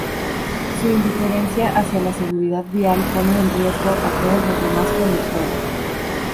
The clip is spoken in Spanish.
Su indiferencia hacia la seguridad vial pone en riesgo a todos los demás conductores.